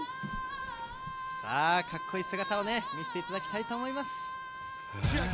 さあ、かっこいい姿を見せていただきたいと思います。